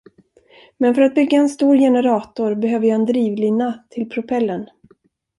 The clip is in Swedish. Men för att bygga en stor generator behöver jag en drivlina till propellern.